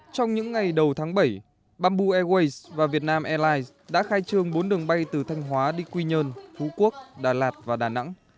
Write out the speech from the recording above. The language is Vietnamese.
trong những ngày đầu tháng bảy bamboo airways và vietnam airlines đã khai trương bốn đường bay từ thanh hóa đi quy nhơn phú quốc đà lạt và đà nẵng